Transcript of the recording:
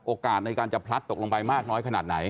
โอกาสในการจะพลัดตกลงไปมากน้อยขนาดไหน